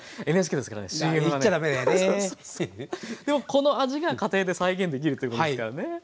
でもこの味が家庭で再現できるということですからね。